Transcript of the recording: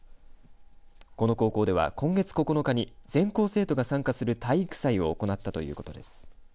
この高校では今月９日に全校生徒が参加する体育祭を行ったということです。